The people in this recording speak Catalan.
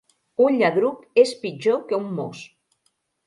Un lladruc és pitjor que un mos.